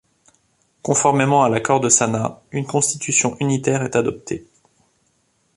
Conformément à l'accord de Sanaa, une constitution unitaire est adoptée.